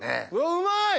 うまい！